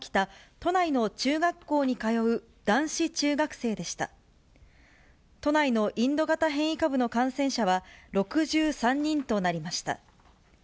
都内のインド型変異株の感染者は、６３人となりました。